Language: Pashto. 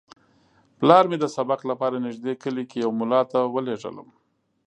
پلار مې د سبق لپاره نږدې کلي کې یوه ملا ته ولېږلم.